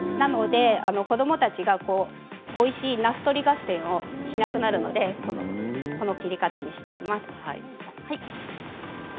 子どもたちが、おいしいなす取り合戦をしなくなるのでこの切り方をしています。